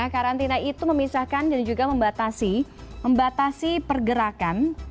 karantina itu memisahkan dan juga membatasi pergerakan